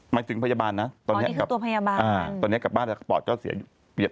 หมายถึงพยาบาลนะตอนนี้กลับบ้านแล้วปอดก็เสีย